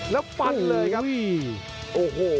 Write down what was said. แล้วพันเลยครับ